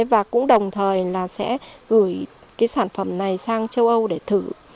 và cũng đồng thời sẽ gửi sản phẩm này sang châu âu để thử